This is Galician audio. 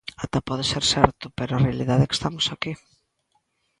Ata pode ser certo, pero a realidade é que estamos aquí.